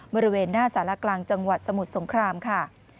บริเวณหน้าสารกลางจังหวัดสมุทรสงครามค่ะ